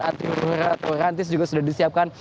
antirurantis juga sudah disiapkan